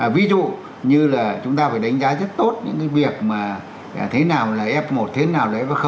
ví dụ như là chúng ta phải đánh giá rất tốt những cái việc mà thế nào là f một thế nào là f